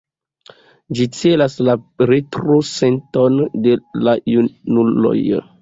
Ĝi celas la retro-senton de la junuloj.